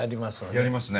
やりますね。